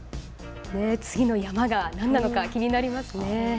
次の山が何なのか気になりますね。